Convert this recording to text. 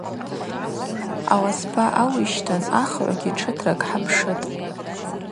Аласпа ауищтын ахыгӏвгьи тшытракӏ хӏапшытӏ.